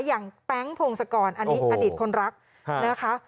อย่างแป๊งพงศกรอันนี้อดีตคนรักนะคะ